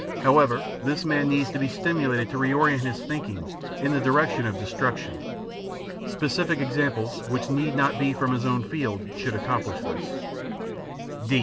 However, this man needs to be stimulated to re orient his thinking in the direction of destruction. Specific examples, which need not be from his own field, should accomplish this.